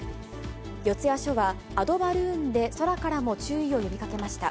四谷署は、アドバルーンで空からも注意を呼びかけました。